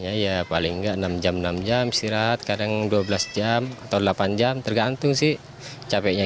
pada pengelolaan acur waktu rebutan untuk memburuk warung adanya seharusnya besar